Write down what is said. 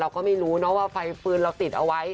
เราก็ไม่รู้นะว่าไฟฟืนเราติดเอาไว้